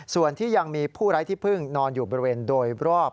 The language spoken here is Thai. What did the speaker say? ส่วนที่ยังมีผู้ไร้ที่พึ่งนอนอยู่บริเวณโดยรอบ